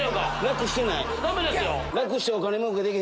楽してない。